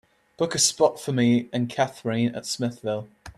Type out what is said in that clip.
Book a spot for me and kathrine at Smithville